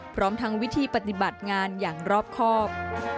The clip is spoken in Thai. พร้อมทั้งวิธีปฏิบัติงานอย่างรอบครอบ